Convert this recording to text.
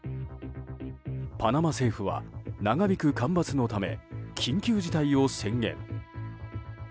パナマ政府は長引く干ばつのため緊急事態を宣言。